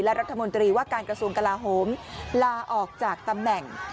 และรัฐมนตรีว่าการกระทรวงกลาโหมลาออกจากตำแหน่ง